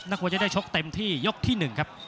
นักมวยจะได้โชคเต็มที่ยกที่หนึ่งครับ